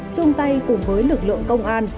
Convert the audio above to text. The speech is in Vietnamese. trung tay cùng với lực lượng công an